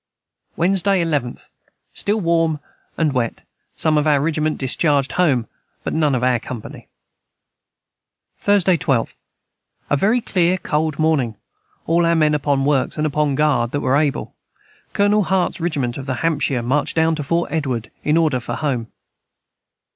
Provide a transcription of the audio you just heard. Wednesday 11th. Stil warm & wet som of our Rigiment discharged Home but none of our company. Thursday 12. A very clear cold morning all our men upon works & upon guard that were able Colonel Harts Rigiment of the Hampshier march down to Fort Edward in order for Home.